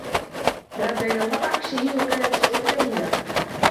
ذهبنا إلى المطعم الشهير وكانت تجربة جميلة